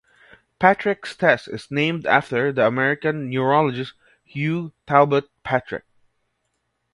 Patrick's test is named after the American neurologist Hugh Talbot Patrick.